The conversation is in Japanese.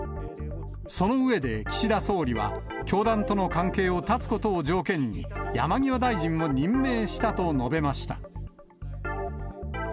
その上で、岸田総理は、教団との関係を断つことを条件に、山際大臣を任命したと述べました。